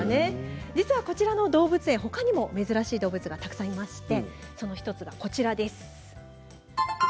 実は、この動物園ほかにも珍しい動物が、たくさんいましてその１つがこちらです。